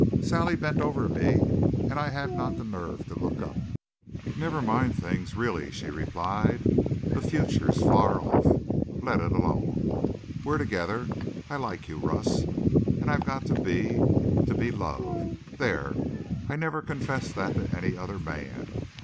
Sally bent over me and I had not the nerve to look up. "Never mind things really," she replied. "The future's far off. Let it alone. We're together. I I like you, Russ. And I've got to be to be loved. There. I never confessed that to any other man.